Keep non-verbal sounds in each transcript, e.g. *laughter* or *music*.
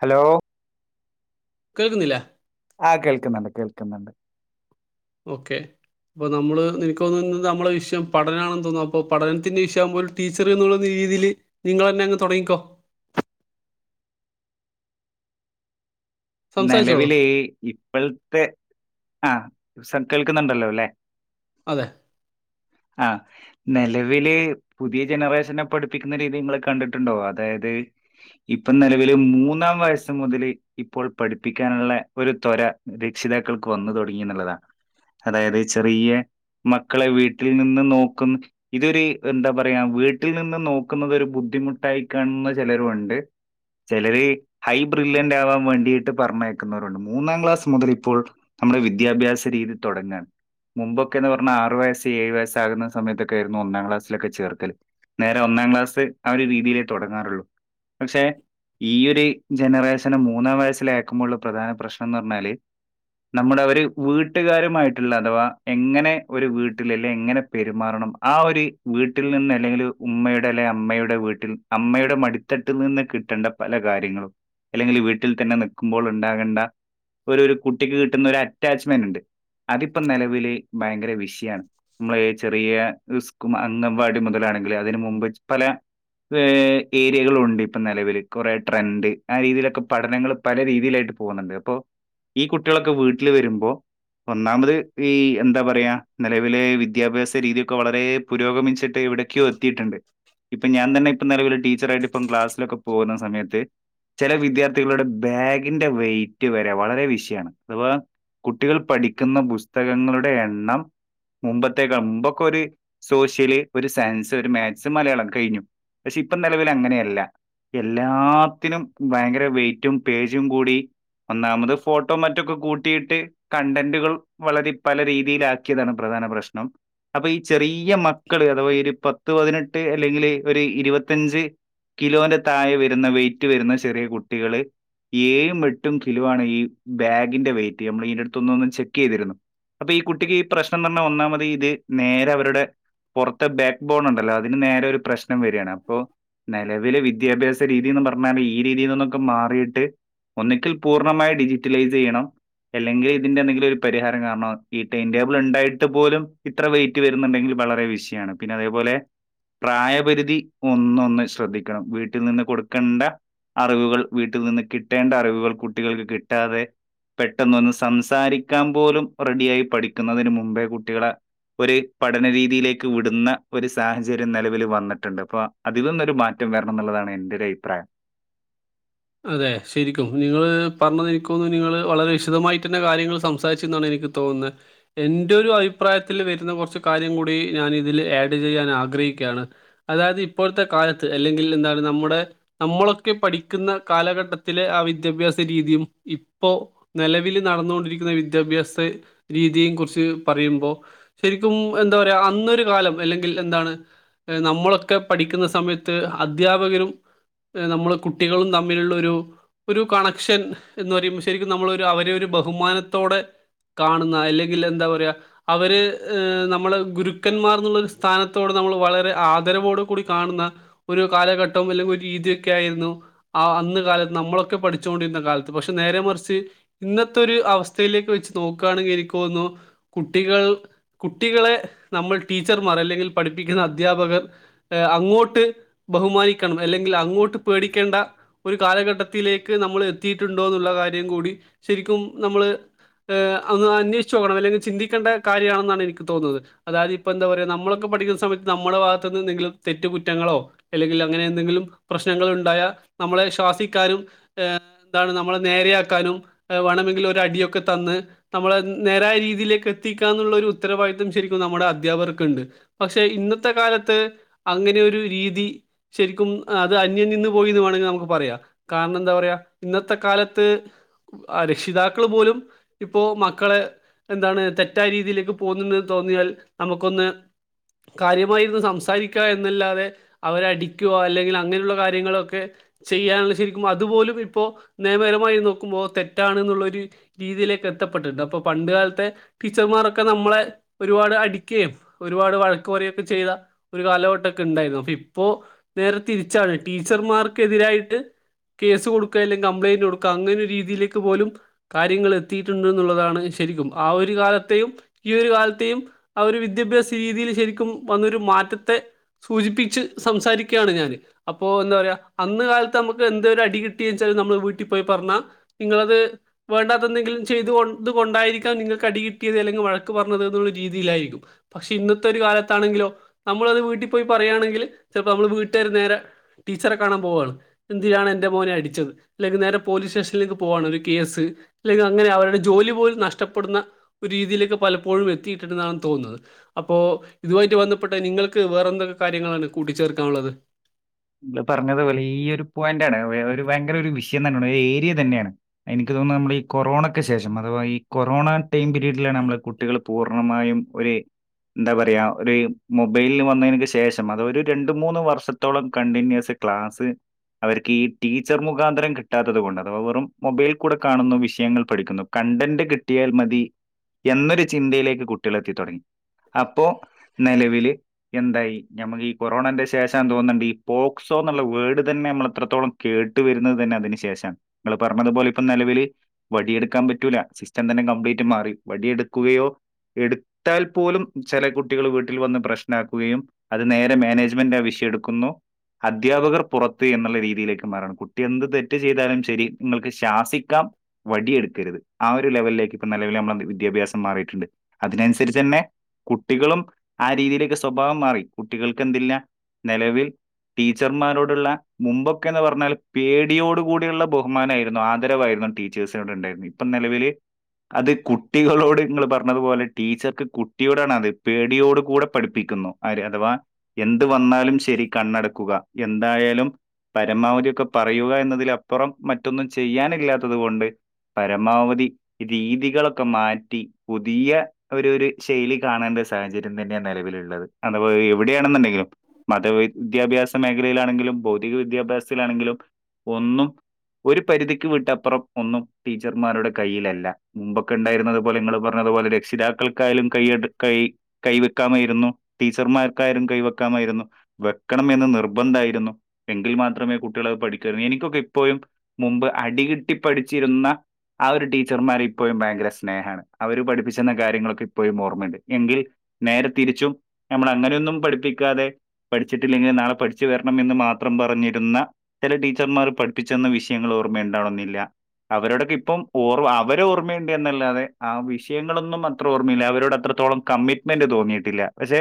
Hello കേൾക്കുന്നില്ലേ ആ കേൾക്കുന്നുണ്ട് കേൾക്കുന്നുണ്ട് ഓക്കെ അപ്പൊ നമ്മള് നിനക്കോന്ന്ന്നെ നമ്മളെ വിഷയം പഠനാണെന്ന് തോന്നുന്നു അപ്പൊ പഠനത്തിന്റെ വിഷയാവുമ്പോ ഒരു ടീച്ചർ എന്നുള്ള രീതിയിൽ നിങ്ങൾന്നെ അങ്ങ് തൊടങ്ങിക്കോ നെലവില് ഇപ്പൾത്തെ അ *unintelligible* കേൾക്കുന്നുണ്ടല്ലോ ല്ലേ അതെ ആ നെലവില് പുതിയ ജനറേഷനെ പഠിപ്പിക്കുന്ന രീതി ങ്ങൾ കണ്ടിട്ടുണ്ടോ അതായത് ഇപ്പൊ നെലവില് മൂന്നാം വയസ്സ് മുതല് പ്പോൾ പഠിപ്പിക്കാനുള്ള ഒരു ത്വര രക്ഷിതാക്കൾക്ക് വന്നു തൊടങ്ങിന്ന്ള്ളതാണ് അതായത് ചെറിയ മക്കളെ വീട്ടിൽ നിന്ന് നോക്കുന്ന ഇതൊരു എന്താ പറയാ വീട്ടിൽ നിന്ന് നോക്കുന്നത് ഒരു ബുദ്ധിമുട്ടായി കാണുന്ന ചെലരുംഒണ്ട് ചെലര് ഹൈ ബ്രില്യന്റ് ആവാൻ വേണ്ടി *unintelligible* പറഞ്ഞയക്കുന്നവരുണ്ട് മൂന്നാം ക്ലാസ്സ് മുതൽ ഇപ്പോൾ നമ്മുടെ വിദ്യാഭ്യാസ രീതി തൊടങ്ങാണ് മുമ്പൊക്കെന്ന് പറഞാ ആറു വയസ്സ് ഏഴു വയസ്സാകുന്ന സമയത്തൊക്കെയിരുന്നു ഒന്നാം ക്ലാസ്സിലൊക്കെ ചേർക്കൽ നേരെ ഒന്നാം ക്ലാസ് ആ ഒരു രീതിയിലേ തൊടങ്ങാറുള്ളൂ പക്ഷെ ഈ ഒരു ജനറേഷന് മൂന്നാം വയസ്സ് ലെ അയക്കുമ്പോളുള്ള പ്രധാന പ്രശ്നം ന്ന് പറഞ്ഞാല് നമ്മുടെ അവര് വീട്ടുകാരുമായിട്ടുള്ള അഥവാ എങ്ങനെ ഒരു വീട്ടിൽ അല്ലെ എങ്ങനെ പെരുമാറണം ആ ഒര് വീട്ടിൽ നിന്ന് അല്ലെങ്കിൽ ഉമ്മയുടെ അല്ലെങ്കിൽ അമ്മയുടെ വീട്ടിൽ അമ്മയുടെ മടിത്തട്ടിൽ നിന്ന് കിട്ടേണ്ട പല കാര്യങ്ങളും അല്ലെങ്കിൽ വീട്ടിൽ തന്നെ നി കുമ്പോൾ ണ്ടാകേണ്ട ഒരു ഒരു കുട്ടിക്ക് കിട്ടുന്ന ഒരു അറ്റാച്ച്മെന്റ് ണ്ട് അതിപ്പോ നെലവില് ഭയങ്കര വിഷയാണ് നമ്മള് ചെറിയ അംഗൻവാടി മുതലാണെങ്കിൽ അതിനന് മുമ്പ് പല ഏരിയകളും ഉണ്ട് ഇപ്പൊ നിലവിൽ കുറെ ട്രെൻഡ് ആ രീതിയിലൊക്കെ പഠനങ്ങൾ പല രീതിയിലായിട്ട് പോകുന്നുണ്ട് അപ്പോ ഈ കുട്ടികളൊക്കെ വീട്ടിൽ വരുമ്പോ ഒന്നാമത് ഈ എന്താ പറയാ നിലവിലെ വിദ്യാഭ്യാസ രീതിയൊക്കെ വളരെ പുരോഗമിച്ചി ട്ട് എവിടെക്കോ എത്തീട്ട്ണ്ട് ഇപ്പൊ ഞാൻ തന്നെ പ്പൊ നെലവില് ടീച്ചറായിട്ട് ഇപ്പം ക്ലാസിലൊക്കെ പോകുന്ന സമയത്ത് ചെല വിദ്യാർത്ഥികളുടെ ബാഗിന്റെ വെയ്റ്റ് വെരെ വളരെ വിഷയാണ് അഥവാ കുട്ടികൾ പഠിക്കുന്ന പുസ്തകങ്ങളുടെ എണ്ണം മുമ്പത്തേക്കാൾ മുമ്പൊക്കെ ഒരു സോഷ്യല് ഒരു സയൻസ് ഒരു മാത്സ് മലയാളം കഴിഞ്ഞു പക്ഷെ ഇപ്പൊ നിലവിൽ അങ്ങനെയല്ല എല്ലാത്തിനും ഭയങ്കര വെയ് റ്റും പേജും കൂടി ഒന്നാമത് ഫോട്ടോ മറ്റൊക്കെ കൂട്ടിയിട്ട് കണ്ടന്റുകൾ വളരെ പല രീതിയിലാക്കിയതാണ് പ്രധാന പ്രശ്നം അപ്പൊ ഈ ചെറി യ മക്കൾ അഥവാ ഒരു പ പത്ത് പതിനെട്ട് അല്ലെങ്കില് ഒരു ത്ത് ത്ത് പതിനെട്ട് അല്ലെങ്കില് ഒരു ഇരുപത്തഞ്ച് കിലോന്റെ താഴെ വരുന്ന വെയിറ്റ് വരുന്ന ചെറിയ കുട്ടികള് ഏഴും എട്ടും കിലോ ആണ് ഈ ബാഗിന്റെ വെയിറ്റ് നമ്മൾ ഇയ്ന്റെ ടുത്ത്ന്നൊന്ന് ചെക്ക് ചെയ്തിരുന്നു അപ്പൊ ഈ കുട്ടിക്ക് ഈ പ്രശ്നം ന്ന് പറഞ്ഞാൽ ഒന്നാമത് ഇത് നേരെ അവരുടെ പൊറത്തെ ബാക്ക് ബോൺ ണ്ടല്ലോ അതിന് നേരെ ഒരു പ്രശ് നം വെരാണ് അപ്പൊ ലവില് വിദ്യാഭ്യാസ രീതിന്ന് പറഞ്ഞാല് ഈ രീതിയിൽന്നൊക്കെ മാറി ട്ട് ഒന്നെങ്കിൽ പൂർണമായി ഡിജിറ്റലൈസ് ചെയ്യണം അല്ലെങ്കിൽ ഇതിന്റെ എന്തെങ്കിലും ഒരു പരിഹാരം കാരണം ഈ ടൈം ടേബിൾ ഉണ്ടായിട്ട് പോലും ഇത്ര വെയിറ്റ് വരുന്നുണ്ടെങ്കിൽ വളരെ വിഷയാണ് പിന്നെ അതേപോലെ പ്രായപരിധി ഒന്നൊന്ന് ശ്രദ്ധിക്കണം വീട്ടിൽ നിന്ന് കൊടുക്കേണ്ട അറിവുകൾ വീട്ടിൽ നിന്ന് കിട്ടേണ്ട അറിവുകൾ കുട്ടികൾക്ക് കിട്ടാതെ പെട്ടെന്ന് ഒന്ന് സംസാരിക്കാൻ പോലും റെഡിയായി പഠിക്കുന്നതിന് മുമ്പേ കുട്ടികളെ ഒരു പഠനരീതിയിലേക്ക് വിടുന്ന ഒരു സാഹചര്യം നെലവിൽ വന്നിട്ടുണ്ട് അപ്പൊ അതിതൊന്നൊരു മാറ്റം വെരണം ന്നുള്ളതാണ് എന്റൊരഭിപ്രായം. അതെ ശരിക്കും നിങ്ങള് പറഞ്ഞത് എനിക്കോന്നുന്നു നിങ്ങള് വളരെ വിശദായിട്ട് തന്നെ കാര്യങ്ങൾ സംസാരിച്ചുന്നാണ് എനിക്ക് തോന്നുന്നത് എന്റൊരു അഭിപ്രായത്തിൽ വരുന്ന കൊറച്ച് കാര്യം കൂടി ഞാൻ ഇതിൽ ആഡ് ചെയ്യാൻ ആഗ്രഹിക്കുകയാണ് അതായത് ഇപ്പോഴത്തെ കാലത്ത് അല്ലെങ്കിൽ എന്താണ് നമ്മുടെ നമ്മളൊക്കെ പടി ക്കുന്ന കാലഘട്ടത്തിലെ ആ വിദ്യാഭ്യാസ രീതിയും ഇപ്പോ നിലവിൽ നടന്നുകൊണ്ടിരിക്കുന്ന വിദ്യാഭ്യാസ രീതിയും കുറിച്ച് പറയുമ്പോൾ ശെരിക്കും എന്താ പറയാ അന്നൊരു കാലം അല്ലെങ്കിൽ എന്താണ് നമ്മളൊക്കെ പഠിക്കുന്ന സമയത്ത് അധ്യാപകരും നമ്മളെ കു ട്ടികളും തമ്മിലുള്ള ഒരു ഒരു കണക്ഷൻ എന്ന് പറയുമ്പോൾ ശെരിക്കും നമ്മളവരെ ഒരു ബഹുമാനത്തോടെ കാണുന്ന അല്ലെങ്കിൽ എന്താ പറയാ അവര് നമ്മെ ഗുരുക്കന്മാർന്നുള്ള ഒരു സ്ഥാനത്തോടെ നമ്മൾ വളരെ ആദരവോടെ കൂടി കാണുന്ന ഒരു കാലഘട്ടവും അല്ലെങ്കിൽ ഒരു രീതിയൊക്കെ ആയിരുന്നു ആ അന്ന് കാലത്ത് നമ്മളൊക്കെ പഠിച്ചോണ്ടിരുന്ന കാലത്ത് പക്ഷെ നേരെ മറിച്ച് ഇന്നത്തെ ഒരു അവസ്ഥയിലേക്ക് വെച്ച് നോക്കാണെങ്കിൽ എനിക്ക് തോന്നുന്നു കുട്ടികൾ കുട്ടികളെ നമ്മൾ ടീച്ചർമാർ അല്ലെങ്കിൽ പഠിപ്പിക്കുന്ന അദ്ധ്യാപകർ അങ്ങോട്ട് ബഹുമാനിക്കണം അല്ലെങ്കിൽ അങ്ങോട്ട് പേടിക്കേണ്ട ഒരു കാലഘട്ടത്തിലേക്ക് നമ്മൾ എത്തിയിട്ടുണ്ടോ എന്നുള്ള കാര്യം കൂടി ശെരിക്കും നമ്മള് ഏ ഒന്ന് അന്വേഷിച്ചു നോക്കണം അല്ലെങ്കിൽ ചിന്തിക്കേണ്ട കാര്യമാണെന്നാണ് എനിക്ക് തോന്നുന്നത് അതായത് ഇപ്പൊ എന്താ പറയാ നമ്മളൊക്കെ പഠിക്കുന്ന സമയത്ത് നമ്മുടെ ഭാഗത്തുനിന്ന് എന്തെങ്കിലും തെറ്റ് കുറ്റങ്ങളോ അല്ലെങ്കിൽ അങ്ങനെ എന്തെങ്കിലും പ്രശ്നങ്ങൾ ഉണ്ടായ നമ്മളെ ശ്വാസിക്കാനും എ എന്താണ് നമ്മളെ നേരെയക്കാനും വാണമെങ്കിലും ഒരു അടിയൊക്കെ തന്ന് നമ്മളെ നേരായ രീതിയിലേക്ക് എത്തിക്കാന്നുള്ള ഒരു ഉത്തരവാദിത്തം ശെരിക്കും നമ്മുടെ അധ്യാപകർക്കുണ്ട് പക്ഷെ ഇന്നത്തെ കാലത്ത് അങ്ങനൊരു രീതി ശെരിക്കും അത് അന്യം നിന്ന് പോയിന്ന് വാണമെ പറയാ കാരണെന്താ പറയാ ഇന്നത്തെ കാലത്ത് രക്ഷിതാക്കൾ പോലും ഇപ്പോ മക്കളെ എന്താണ് തെറ്റായ രീതിയിലേക്ക് പോകെന്ന് തോന്നിയാൽ നമുക്കൊന്ന് കാര്യമായിരുന്നു സംസാരിക്കാ എന്നല്ലാതെ അവരെ അടിക്കുക അല്ലെങ്കിൽ അങ്ങനെയുള്ള കാര്യങ്ങളൊക്കെ ചെയ്യാനുള്ള ശെരിക്കും അതുപോലും ഇപ്പോൾ നിയമപരമായി നോക്കുമ്പോൾ തെറ്റാണ് ന്ന്ള്ളൊരു രീതിയിലേക്കെ എത്തപ്പെട്ടിട്ടുണ്ട് അപ്പോൾ പണ്ട് കാലത്തെ ടീച്ചർമാരൊക്കെ നമ്മളെ ഒരുപാട് അടിക്കുകയും ഒരുപാട് വഴക്ക് പറയുകക്കെ ചെയ്ത ഒരു കാലഘട്ടമൊക്കെ ഉണ്ടായിരുന്നു അപ്പോൾ ഇപ്പോൾ നേരെ തിരിച്ചാണ് ടീച്ചർമാർക്ക് ക്കെതിരായിട്ട് കേസ് കൊടുക്ക അല്ലെങ്കിൽ കംപ്ലയിന്റ് കൊടുക്കുക അങ്ങനെ രീതിയിലേക്ക് പോലും കാര്യങ്ങൾ എത്തിയിട്ടുണ്ട് എന്നുള്ളതാണ് ശരിക്കും ആ ഒരു കാലത്തെയും ഈ ഒരു കാലത്തെയും ആ ഒരു വിദ്യാഭ്യാസ രീതിയിൽ ശെരിക്കും വന്നൊരു മാറ്റത്തെ സൂചിപ്പിച്ച് സംസാരിക്കുകയാണ് ഞാന് അപ്പോ എന്താ പറയാ അന്ന് കാലത്ത് നമുക്ക് എന്ത അടി കിട്ടിയ വച്ചാൽ നമ്മൾ വീട്ടിൽ പോയി പറഞ്ഞാ നിങ്ങളത് വേണ്ടാത്ത എന്തെങ്കിലും ചെയ്തത് കൊണ്ടായിരിക്കാം നിങ്ങൾക്ക് അടി കിട്ടിയത് അല്ലെങ്കിൽ വഴക്ക് പറഞ്ഞത് എന്നുള്ള രീതിയിലായിരിക്കും പക്ഷെ ഇന്നത്തൊരു കാലത്താണെങ്കിലോ നമ്മളത് വീട്ടിൽ പോയി പറയാണെങ്കിൽ ചെലപ്പോ നമ്മള് വീട്ടുകാര് നേരെ ടീച്ചറെ കാണാൻ പോവാണ് എന്തിനാണ് എന്റെ മോനെ അടിച്ചത് അല്ലെങ്കിൽ നേരെ പോലീസ് സ്റ്റേഷനിലേക്ക് പോവാണ് ഒരു കേസ് അല്ലെങ്കിൽ അങ്ങനെ അവരുടെ ജോലി പോലും നഷ്ടപ്പെടുന്ന ഒരു രീതിയിലേക്ക് പലപ്പോഴും എത്തിയിട്ടുണ്ടെന്നാണ് തോന്നുന്നത് അപ്പോ ഇതുമായിട്ട് ബന്ധപ്പെട്ട നിങ്ങൾക്ക് വേറെ എന്തൊക്കെ കാര്യങ്ങളാണ് കൂട്ടിച്ചേർക്കാനുള്ളത് ഇങ്ങള് പറഞ്ഞത് വലിയൊരു പോയന്റ് ആണ് വ ഒരു വയങ്കര ഒരു വിഷ് *unintelligible* ഏരിയ തന്നെയാണ് എനിക്ക് തോന്നുന്നത് നമ്മൾ ഈ കൊറോണക്ക് ശേഷം അഥവാ ഈ കൊറോണ ടൈം പീരീഡിലാണ് നമ്മള് കുട്ടികൾ പൂർണ്ണമായും ഒരു എന്താ പറയുക ഒരു മൊബൈലന് വന്നതിക്ക് ശേഷം അത് ഒരു രണ്ട മൂന്ന് വർഷത്തോളം- കണ്ടിന്യൂസ് ക്ലാസ്സ് അവർക്ക് ഈ ടീച്ചർ മുഖാന്തരം കിട്ടാത്തത് കൊണ്ട് അഥവാ വെറും മൊബൈൽ കൂടെ കാണുന്നു വിഷയങ്ങൾ പഠിക്കുന്നു കണ്ടന്റ് കിട്ടിയാൽ മതി എന്നൊരു ചിന്തയിലേക്ക് കുട്ടികൾ എത്തിത്തുടങ്ങി അപ്പോ നിലവിൽ എന്തായി നമക്ക് ഈ കൊറോണന്റെ ശേഷം തോന്നുന്നുണ്ട് ഈ- പോക്സോ എന്നുള്ള വേഡ് തന്നെ നമ്മൾ എത്രത്തോളം കേട്ട് വരുന്നത് തന്നെ അതിനന് ശേഷമാണ് നമ്മൾ പറഞ്ഞതുപോലെ ഇപ്പം നിലവിൽ വടിയെടുക്കാൻ പറ്റൂല സിസ്റ്റം തന്നെ കംപ്ലീറ്റ് മാറി വടിയെടുക്കുകയോ എടുത്താൽ പോലും ചില കുട്ടികൾ വീട്ടിൽ വന്ന് പ്രശ്നക്കുകയും അത് നേരെ മാനേജ്മെന്റ് ആവശ്യം എടുക്കുന്നു അധ്യാപകർ പുറത്ത് എന്നുള്ള രീതിയിലേക്ക് മാറണം കുട്ടി എന്ത് തെറ്റ് ചെയ്താലും ശരി നിങ്ങൾക്ക് ശാസിക്കാം വടിയ എടുക്കരുത് ആ ഒരു ലെവലിലേക്ക് ഇപ്പ നിലവിൽ നമ്മൾ വിദ്യാഭ്യാസം മാറിയിട്ടുണ്ട് അതിനനുസരിച്ച് തന്നെ കുട്ടികളും ആ രീതിയിലേക്ക് സ്വഭാവം മാറി കുട്ടികൾക്ക് എന്ത്‌ ഇല്ല നിലവിൽ- ടീച്ചർമാരോടുള്ള മുമ്പൊക്കെന്ന് പറഞ്ഞാൽ പേടിയോടു കൂടെിയുള്ള ബഹുമാനമായിരുന്നു ആദരവായിരുന്നു ടീച്ചേഴ്സിനോട് ഉണ്ടായിരുന്നു ഇപ്പൊ നിലവിൽ അത് കുട്ടികളോട് നിങ്ങൾ പറഞ്ഞതുപോലെ ടീച്ചർക്ക് കുട്ടിയോടാണ് അത് പേടിയോട് കൂടെ പഠിപ്പിക്കുന്നുര് അഥവാ എന്ത് വന്നാലും ശരി കണ്ണടക്കുക എന്തായാലും പരമാവധിയൊക്കെ പറയുക എന്നതിലപ്പുറം മറ്റൊന്നും ചെയ്യാനില്ലാത്തത് കൊണ്ട് പരമാവധി രീതികളൊക്കെ മാറ്റി പുതിയ ഒരു ഒരു ശൈലി കാണേണ്ട സാഹചര്യം തന്നെയാണ് നിലവിലുള്ളത് അത് എവിടെയാണെന്നുണ്ടെങ്കിലും മത വിദ്യാഭ്യാസ മേഖലയിലാണെങ്കിലും ഭൗതിക വിദ്യാഭ്യാസത്തിലാണെങ്കിലും ഒന്നും ഒരു പരിധിക്ക് വിട്ടപ്പുറം ഒന്നും ടീച്ചർമാരുടെ കൈയിലല്ല മുമ്പൊക്കെ ഉണ്ടായിരുന്നത് പോലെ നിങ്ങൾ പറഞ്ഞതുപോലെ രക്ഷിതാക്കൾക്കായും കൈ കൈ കൈവെക്കാമായിരുന്നു ടീച്ചർമാർക്കായാലും കൈവെക്കാമായിരുന്നു ക്കണം മെന്ന് നിർബന്ധമായിരുന്നു എങ്കിൽ മാത്രമേ കുട്ടികളത് പഠിക്കുമായിരുന്നു എനിക്കൊക്കെ ഇപ്പോഴും മുമ്പ് അടികിട്ടി പഠിച്ചിരുന്ന ആ ഒരു ടീച്ചർമാർ ഇപ്പോഴും ഭയങ്കര സ്നേഹമാണ് അവര് പഠിപ്പിച്ചെന്ന കാര്യങ്ങളൊക്കെ ഇപ്പോഴും ഓർമ്മയുണ്ട് എങ്കിൽ നേരെ തിരിച്ചും നമ്മൾ അങ്ങനെയൊന്നും പഠിപ്പിക്കാതെ - പഠിച്ചിട്ടില്ലെങ്കിൽ നാളെ പഠിച്ചു വരണം എന്ന് മാത്രം പറഞ്ഞിരുന്ന ചില ടീച്ചർമാർ പഠിപ്പിച്ചെന്ന വിഷയങ്ങൾ ഓർമ്മയുണ്ടാവണെന്നില്ല അവരോടൊക്കെ ഇപ്പം ഓർമ്മ അവരെ ഓർമ്മയുണ്ട എന്നല്ലാതെ ആ വിഷയങ്ങളൊന്നും അത്ര ഓർമ്മയില്ല അവരോട് അത്രത്തോളം കമ്മിറ്റ്മെന്റ് തോന്നിയിട്ടില്ല പക്ഷെ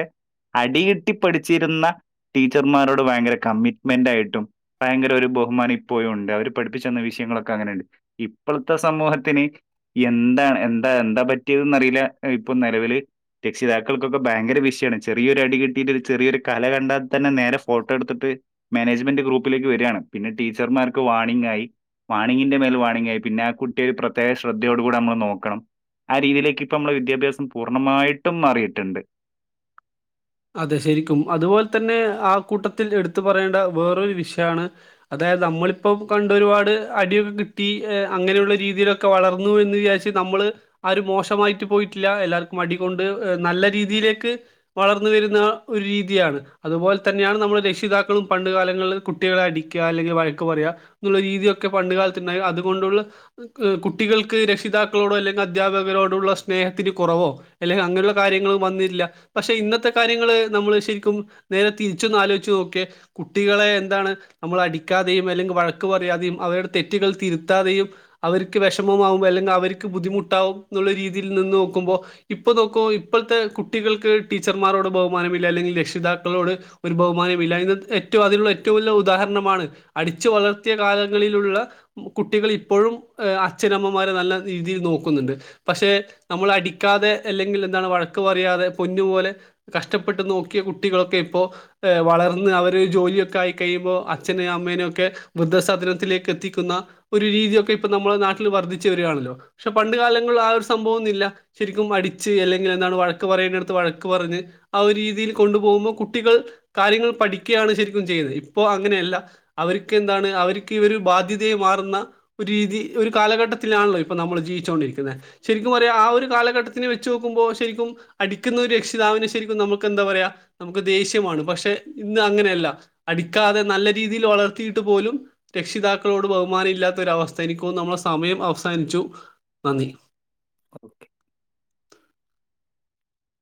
അടികിട്ടി പഠിച്ചിരുന്ന- ടീച്ചർമാരോട് ഭയങ്കര കമ്മിറ്റ്മെന്റ് ആയിട്ടും ഭയങ്കര ഒരു ബഹുമാനം ഇപ്പോഴും ഉണ്ട് അവര് പഠിപ്പിച്ചെന്ന വിഷയങ്ങളൊക്കെ അങ്ങനെയുണ്ട് ഇപ്പോഴത്തെ സമൂഹത്തിന് എന്താ എന്താ എന്താ പറ്റിയത് എന്നറിയില്ല ഇപ്പൊ നിലവില് രക്ഷിതാക്കൾക്കൊക്കെ ഭയങ്കര വിഷയമാണ് ചെറിയൊരു അട കിട്ടിയിട്ട ഒരു ചെറിയൊരു കര കണ്ടാ- തന്നെ നേരെ ഫോട്ടോ എടുത്തിട്ട് മാനേജ്മെന്റ് ഗ്രൂപ്പിലേക്ക് വരികാണ് പിന്നെ ടീച്ചർമാർ വാണിംങ്ങ് ആയി വാണിങ്ങിന്റെ മേൽ വാർണിംങ്ങ് ആയി പിന്നെ ആ കുട്ടിയ ഒരു പ്രത്യേക ശ്രദ്ധയോട് കൂടി നമ്മള് നോക്കണം ആ രീതിയിലേക്ക് ഇപ്പ നമ്മുടെ വിദ്യാഭ്യാസം പൂർണ്ണമായിട്ടും മാറിയിട്ടുണ്ട് അതെ ശരിക്കും അതുപോലെ തന്നെ ആ കൂട്ടത്തിൽ എടുത്തു പറയേണ്ട വേറൊരു വിഷയമാണ് അതായത് നമ്മളിപ്പോം കണ്ടു ഒരുപാട് അടിയൊക്കെ കിട്ടി അങ്ങനെയുള്ള രീതിയിലൊക്കെ വളർന്നു എന്ന് വിചാരിച്ച് നമ്മള് ആരും മോശമായിട്ട് പോയിട്ടില്ല എല്ലാവർക്കും അടികൊണ്ട് നല്ല രീതിയിലേക്ക് വളർ- വരുന്ന ഒരു രീതിയാണ് അതുപോലെ തന്നെയാണ് നമ്മൾ രക്ഷിതാക്കളും പണ്ട് കാലങ്ങളിൽ കുട്ടികളെ അടിക്കുക അല്ലെങ്കിൽ വഴക്ക് പറയുക എന്നുള്ള രീതിയൊക്കെ പണ്ട് കാലത്ത് ഉണ്ടായി അതുകൊണ്ടുള്ള കുട്ടികൾക്ക് രക്ഷിതാക്കളോടോ അല്ലെങ്കിൽ അധ്യാപകരോടുള്ള സ്നേഹത്തിന് കുറവോ അല്ലെങ്കിൽ അങ്ങനെയുള്ള കാര്യങ്ങളും വന്നിട്ടില്ല പക്ഷെ ഇന്നത്തെ- കാര്യങ്ങൾ നമ്മൾ ശരിക്കും നേരെ തിരിച്ചൊന്ന് ആലോചിച്ച് നോക്കിയെ കുട്ടികളെ എന്താണ് നമ്മൾ അടിക്കാതെയും അല്ലെങ്കിൽ വഴക്ക് പറയാതെയും അവരുടെ തെറ്റുകൾ തിരുത്താതെയും അവർക്ക് വിഷമമാവും അല്ലെങ്കിൽ അവർക്ക് ബുദ്ധിമുട്ടാവും എന്നുള്ള രീതിയിൽ നിന്ന് നോക്കുമ്പോൾ ഇപ്പോൾ നോക്കും ഇപ്പോഴത്തെ കുട്ടികൾക്ക് ടീച്ചർ- ന്മാരോട് ബഹുമാനമില്ല അല്ലെങ്കിൽ രക്ഷിതാക്കളോട് ഒരു ബഹുമാനമില്ല ഇ ഏറ്റവും അതിനുള്ള ഏറ്റവും വലിയ ഉദാഹരണമാണ് അടിച്ചു വളർത്തിയ കാലങ്ങളിലുള്ള കുട്ടികൾ ഇപ്പോഴും അച്ഛനമ്മമാരെ നല്ല രീതിയിൽ നോക്കുന്നുണ്ട് പക്ഷെ നമ്മൾ അടിക്കാതെ അല്ലെങ്കിൽ എന്താണ് വഴക്ക് പറയാാതെ പൊന്നു പോലെ- കഷ്ടപ്പെട്ട് നോക്കിയ കുട്ടികളൊക്കെ ഇപ്പോ വളർന്ന് അവര് ജോലിയൊക്കെ ആയി കഴിയുമ്പോൾ അച്ഛനെയും അമ്മേനുയോക്കെ വൃദ്ധസാധനത്തിലേക്ക് എത്തിക്കുന്ന ഒരു രീതിയൊക്കെ ഇപ്പൊ നമ്മളെ നാട്ടിൽ വർദ്ധിച്ചു വരിയാണല്ലോ പക്ഷെ പണ്ട് കാലങ്ങളിൽ ആ ഒരു സംഭവൊന്നുമില്ല ശരിക്കും അടിച്ച് അല്ലെങ്കിൽ എന്താണ് വഴക്ക് പറയുന്ന അടുത്ത് വഴക്ക് പറഞ്ഞ്- ആ രീതിയിൽ കൊണ്ടുപോകുമ്പോൾ കുട്ടികൾ കാര്യങ്ങൾ പഠിക്കുകയാണ് ശരിക്കും ചെയ്യുന്നത് ഇപ്പോ അങ്ങനെയല്ല അവർക്ക് എന്താണ് അവർക്ക് ഈ ഒരു ബാധ്യതയെ മാറുന്ന ഒരു രീതി ഒരു കാലഘട്ടത്തിലാണല്ലോ ഇപ്പൊ നമ്മൾ ജീവിച്ചോൊണ്ടിരിക്കുന്നത് ശരിക്കും അറിയാം ആ ഒരു കാലഘട്ടത്തിനന് വെച്ച് നോക്കുമ്പോൾ ശരിക്കും അടിക്കുന്ന ഒരു രക്ഷിതാവിനെ ശരിക്കും നമുക്ക് എന്താ പറയാ നമുക്ക് ദേഷ്യമാണ് പക്ഷെ ഇന്ന് അങ്ങനെയല്ല അടിക്കാതെ നല്ല രീതിയിൽ വളർത്തിയിട്ട് പോലും രക്ഷിതാക്കളോട് ബഹുമാനം ഇല്ലാത്തൊര അവസ്ഥ എനക്ക് തോനുന്നു നമ്മളുടെ സമയം അവസാനിച്ചു നന്ദി ഓക്കെ